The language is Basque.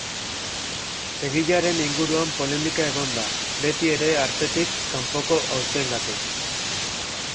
Egilearen inguruan polemika egon da, beti ere artetik kanpoko auziengatik.